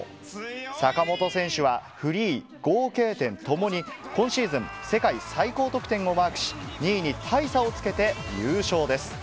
坂本選手はフリー、合計点ともに、今シーズン世界最高得点をマークし、２位に大差をつけて優勝です。